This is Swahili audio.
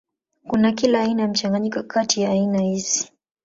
Kuna kila aina ya mchanganyiko kati ya aina hizi.